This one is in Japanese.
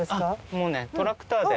もうねトラクターで。